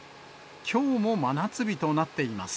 きょうも真夏日となっています。